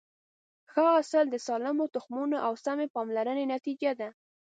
ښه حاصل د سالمو تخمونو او سمې پاملرنې نتیجه ده.